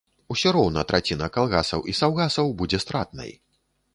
Усё роўна траціна калгасаў і саўгасаў будзе стратнай.